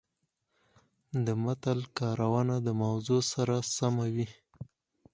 د متل کارونه د موضوع سره سمه وي